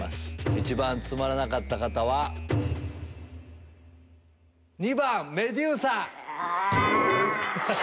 一番つまらなかった方は⁉２番メデューサ！